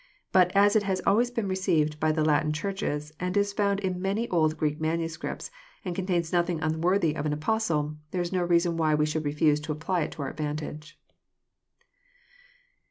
But as it has always been received by the Latin Churches, and is found In many old Greek manuscripts, and contains nothing unworthy of an Apostle, there is no reason why we should refhse to apply it to our advantage."